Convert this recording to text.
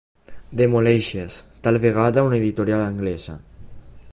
Demoleixis, tal vegada una editorial anglesa.